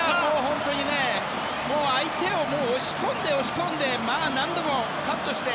本当に相手を押し込んで、押し込んで何度もカットして。